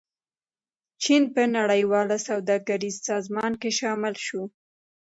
چین په نړیواله سوداګریزې سازمان کې شامل شو.